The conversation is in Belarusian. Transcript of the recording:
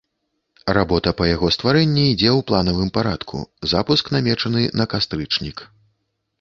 Работа па яго стварэнні ідзе ў планавым парадку, запуск намечаны на кастрычнік.